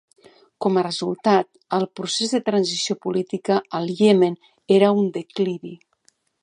Com a resultat, el procés de transició política al Iemen era en declivi.